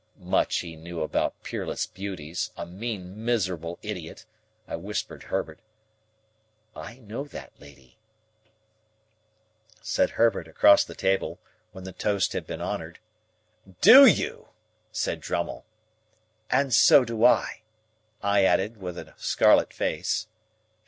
Much he knew about peerless beauties, a mean, miserable idiot! I whispered Herbert. "I know that lady," said Herbert, across the table, when the toast had been honoured. "Do you?" said Drummle. "And so do I," I added, with a scarlet face.